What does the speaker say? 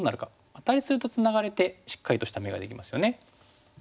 アタリするとツナがれてしっかりとした眼ができますよね。